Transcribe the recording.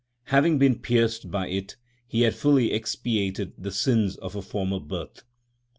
Having been pierced by it, he had fully expiated the sins of a former birth.